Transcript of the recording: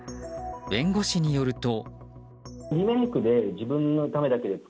弁護士によると。